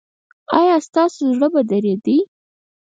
ایا ستاسو زړه به دریدي؟